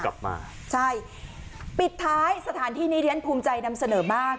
กลับมาใช่ปิดท้ายสถานที่นี้ที่ฉันภูมิใจนำเสนอมาก